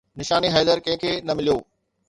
نشان حيدر ڪنهن کي نه مليو